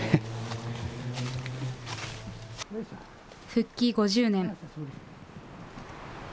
復帰５０年。